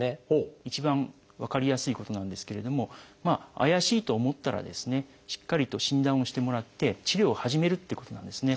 一番分かりやすいことなんですけれども怪しいと思ったらしっかりと診断をしてもらって治療を始めるっていうことなんですね。